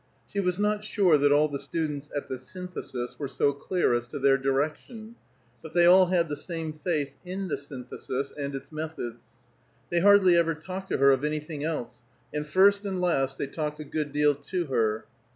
She was not sure that all the students at the Synthesis were so clear as to their direction, but they all had the same faith in the Synthesis and its methods. They hardly ever talked to her of anything else, and first and last they talked a good deal to her.